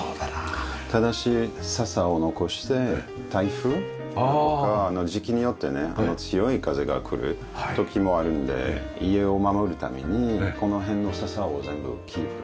ただし笹を残して台風だとかの時期によってね強い風が来る時もあるので家を守るためにこの辺の笹を全部キープしておいて。